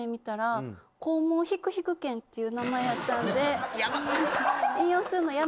「こうもんひくひくけん」っていう名前やったんで。